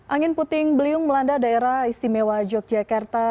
angin puting beliung melanda daerah istimewa yogyakarta